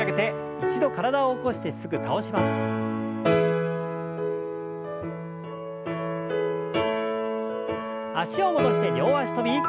脚を戻して両脚跳び。